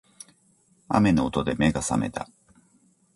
雨の音で目が覚めた